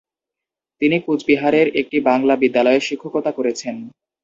তিনি কুচবিহারের একটি বাংলা বিদ্যালয়ে শিক্ষকতা করেছেন।